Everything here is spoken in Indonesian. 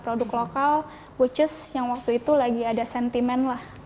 produk lokal which is yang waktu itu lagi ada sentimen lah